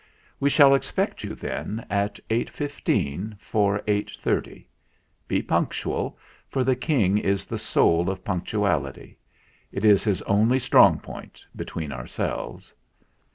We shall expect you, then, at eight fifteen for eight thirty. Be punctual, for the King is the soul of punctuality. It is his only strong point, be tween ourselves."